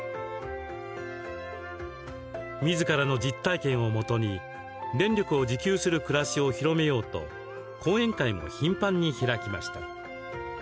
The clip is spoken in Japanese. みずからの実体験をもとに電力を自給する暮らしを広めようと、講演会も頻繁に開きました。